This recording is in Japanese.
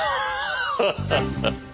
ハハハハ。